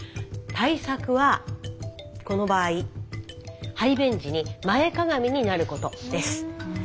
対策はこの場合排便時に前かがみになることです。